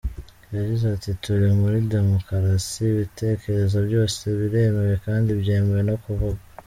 Yagize ati“Turi muri demukarasi, ibitekerezo byose biremewe kandi byemewe no kuvugwa.